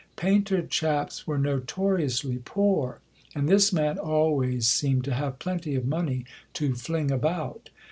"Painter chaps" were notoriously poor, and this man always seemed to have plenty of money to fling about.